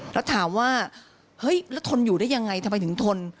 แล้วถามว่าเฮ้ยแล้วทนอยู่ได้ยังไงทำไมถึงทน